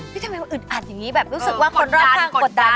พี่ทำไมเอาอึดอัดอย่างนี้แบบรู้สึกว่าคนรักกดดัน